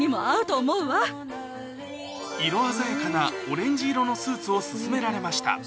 色鮮やかなオレンジ色のスーツを薦められました